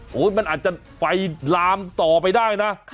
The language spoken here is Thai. โอ้โหมันอาจจะไฟลามต่อไปได้นะ